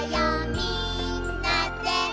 みんなで」